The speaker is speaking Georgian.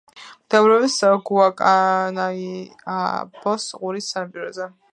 მდებარეობს გუაკანაიაბოს ყურის სანაპიროზე.